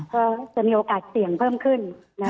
ก็จะมีโอกาสเสี่ยงเพิ่มขึ้น